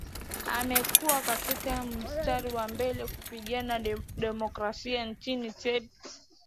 amekuwa katika mstari mbele kupigania demokrasia nchini tibet